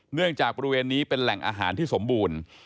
เนื่องจากบริเวณนี้เป็นแหล่งอาหารที่สมบูรณ์